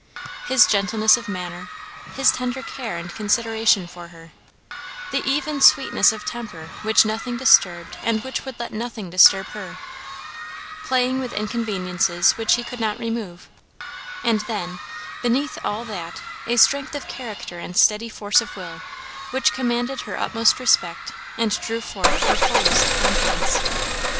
His gentleness of manner, his tender care and consideration for her, the even sweetness of temper which nothing disturbed and which would let nothing disturb her, playing with inconveniences which he could not remove; and then, beneath all that, a strength of character and steady force of will which commanded her utmost respect and drew forth her fullest confidence.